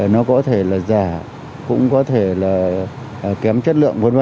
nó có thể là giả cũng có thể là kém chất lượng v v